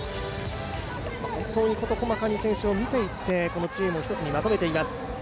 本当に事細かに選手を見ていってチームを１つにまとめています。